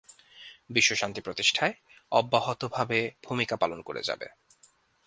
বিশ্বশান্তি প্রতিষ্ঠায় অব্যাহতভাবে ভূমিকা পালন করে যাবে।